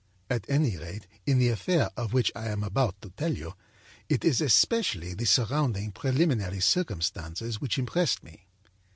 At any rate, in the affair of which I am about to tell you, it is especially the surrounding, preliminary circumstances which impressed me.